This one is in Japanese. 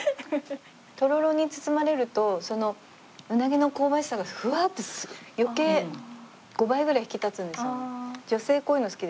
とろろに包まれるとうなぎの香ばしさがふわっと余計５倍ぐらい引き立つんですよ。